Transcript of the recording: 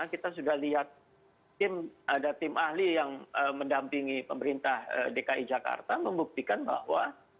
kita sudah lihat ada tim ahli yang mendampingi pemerintah dki jakarta membuktikan bahwa